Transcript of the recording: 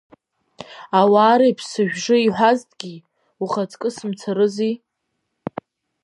Ауаа реиԥш сышәжы иҳәазҭгьы, ухаҵкы сымцарызи.